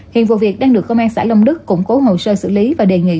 hiện vụ việc đang được công an xã long đức củng cố hồ sơ xử lý và đề nghị